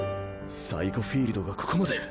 サイコ・フィールドがここまで。